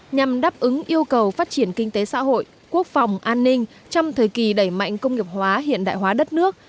nhằm đáp ứng yêu cầu phát triển kinh tế xã hội quốc phòng an ninh trong thời kỳ đẩy mạnh công nghiệp hóa hiện đại hóa đất nước